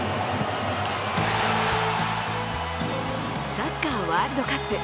サッカーワールドカップ